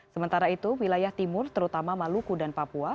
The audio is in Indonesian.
sementara itu wilayah timur terutama maluku dan papua